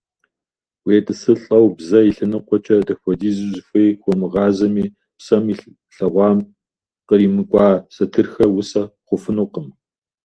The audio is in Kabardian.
УетӀысылӀэу, бзэ и лъэныкъуэкӀэ дапхуэдизу зыхуей хуомыгъэзами, псэм и лъагъуэм къримыкӀуа сатырхэр усэ хъуфынукъым.